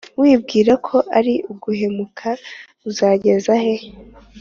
wibwira ko ari uguhemuka, uzageza he ?